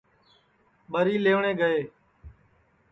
ٻری لئیوٹؔے گے اُس کُو کیوں نائی ٻلایا یا اُس کُو کیوں ٻلایا